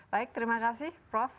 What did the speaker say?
baik terima kasih prof